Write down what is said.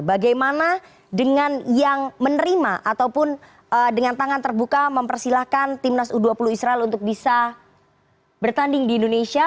bagaimana dengan yang menerima ataupun dengan tangan terbuka mempersilahkan timnas u dua puluh israel untuk bisa bertanding di indonesia